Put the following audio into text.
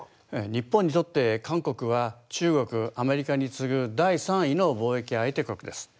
日本にとって韓国は中国アメリカに次ぐ第３位の貿易相手国です。